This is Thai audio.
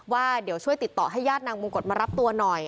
ว่าเดี๋ยวช่วยติดต่อให้ญาตินางมงกฎมารับตัวหน่อย